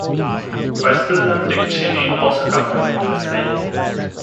Vice President Dick Cheney also campaigned in the state.